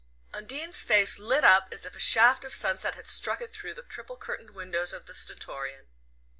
Undine's face lit up as if a shaft of sunset had struck it through the triple curtained windows of the Stentorian.